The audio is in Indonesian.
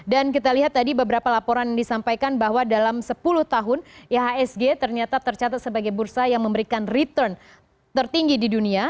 dan kita lihat tadi beberapa laporan disampaikan bahwa dalam sepuluh tahun ihsg ternyata tercatat sebagai bursa yang memberikan return tertinggi di dunia